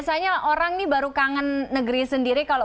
saya sendiri kampus unikal